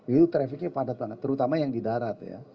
itu trafficnya padat banget terutama yang di darat ya